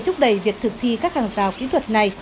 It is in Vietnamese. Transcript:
thúc đẩy việc thực thi các hàng rào kỹ thuật này